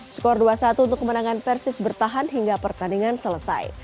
skor dua satu untuk kemenangan persis bertahan hingga pertandingan selesai